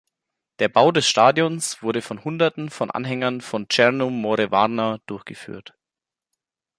Der Bau des Stadions wurde von hunderten von Anhängern von Tscherno More Warna durchgeführt.